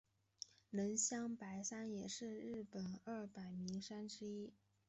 能乡白山也是日本二百名山之一。